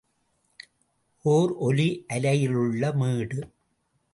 ஒர் ஒலி அலையிலுள்ள மேடு.